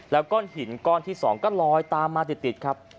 แล้วก้อนหินก้อนที่๒ก็ลอยตามมาติดครับ